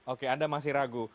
oke anda masih ragu